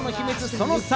その３。